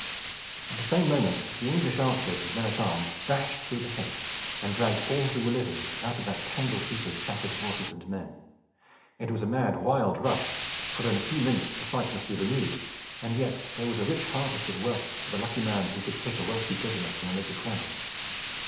At the same moment the English archers and men at arms dashed through the hedge, and dragged all who were living out of that tangled heap of shattered horses and men. It was a mad wild rush, for in a few minutes the fight must be renewed, and yet there was a rich harvest of wealth for the lucky man who could pick a wealthy prisoner from amid the crowd.